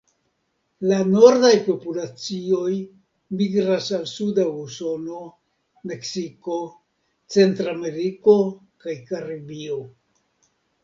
La nordaj populacioj migras al suda Usono, Meksiko, Centrameriko kaj Karibio.